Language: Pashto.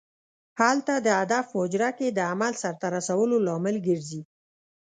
هلته د هدف په حجره کې د عمل سرته رسولو لامل ګرځي.